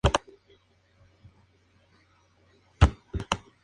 Estos trajes tienen varias habilidades adicionales.